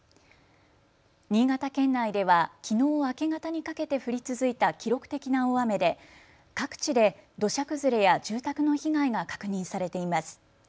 新潟県内ではきのう明け方にかけて降り続いた記録的な大雨で各地で土砂崩れや住宅の被害が確認されています。